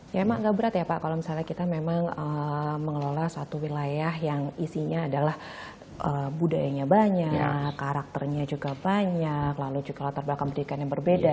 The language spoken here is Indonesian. ya emang gak berat ya pak kalau misalnya kita memang mengelola suatu wilayah yang isinya adalah budayanya banyak karakternya juga banyak lalu juga latar belakang pendidikan yang berbeda